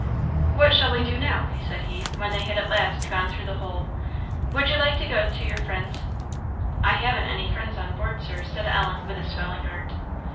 "What shall we do now?" said he, when they had at last gone through the whole "would you like to go to your friends?" "I haven't any friends on board, Sir," said Ellen, with a swelling heart.